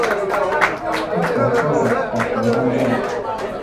黑狗偷食，白狗當災